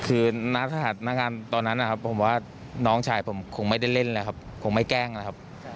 คือนักฐาหรรภ์นักงานตอนนั้นนะครับผมบอกว่าน้องชายผมคงไม่ได้เล่นเลยครับคงไม่แกล้งนะครับ